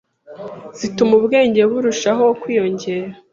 zituma ubwenge burushaho kwiyongera